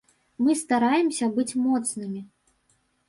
Мы стараемся быць моцнымі.